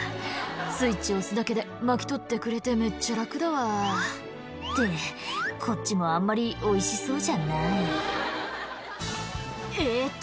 「スイッチ押すだけで巻き取ってくれてめっちゃ楽だわ」ってこっちもあんまりおいしそうじゃないえっと